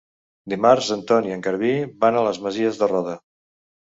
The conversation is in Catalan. Dimarts en Ton i en Garbí van a les Masies de Roda.